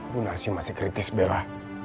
bu narsi masih kritis bella